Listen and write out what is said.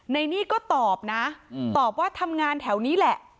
ในนี่ก็ตอบนะตอบว่าทำงานแถวนี้แหละ